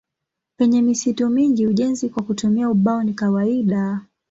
Penye misitu mingi ujenzi kwa kutumia ubao ni kawaida.